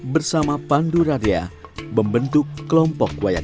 meratakan baju compliment